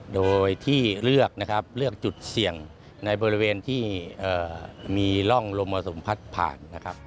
โดยที่เลือกจุดเสี่ยงในบริเวณที่มีร่องลมมาสมผัสผ่าน